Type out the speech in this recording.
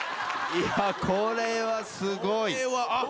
いやこれはすごい。